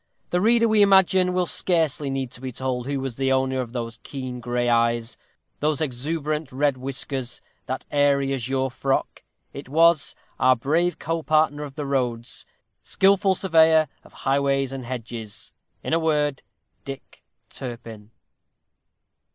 The reader, we imagine, will scarcely need to be told who was the owner of those keen gray eyes; those exuberant red whiskers; that airy azure frock. It was Our brave co partner of the roads. Skilful surveyor of highways and hedges; in a word Dick Turpin!